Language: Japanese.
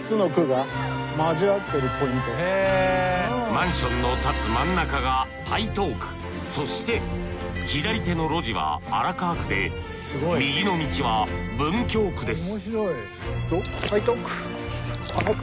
マンションの建つ真ん中がそして左手の路地は荒川区で右の道は文京区です